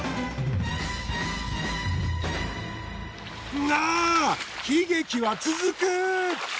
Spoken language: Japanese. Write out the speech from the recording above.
んが悲劇は続く！